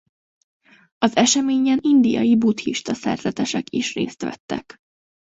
Az eseményen indiai buddhista szerzetesek is részt vettek.